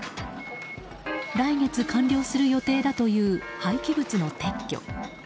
来月完了する予定だという廃棄物の撤去。